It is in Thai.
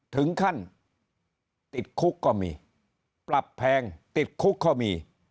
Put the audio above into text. ถึงขั้นติดคุกก็มีปรับแพงติดคุกก็มี